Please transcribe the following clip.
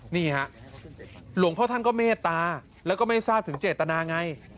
นี่ฮะหลวงพ่อท่านก็เมตตาแล้วก็ไม่ทราบถึงเจตนาไง